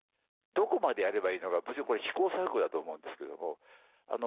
どこまでやればいいのかこれ試行錯誤だと思うんですけども。